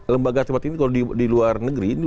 lembaga tempat ini kalau di luar negeri